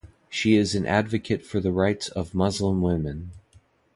She is an advocate for the rights of Muslim women.